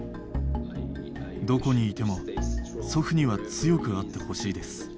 どこにいても、祖父には強くあってほしいです。